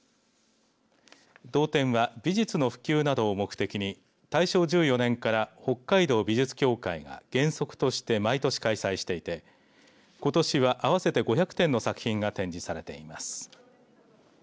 道展は美術の普及などを目的に大正１４年から北海道美術協会が原則として毎年開催していてことしは合わせて５００点の作品が展示されています。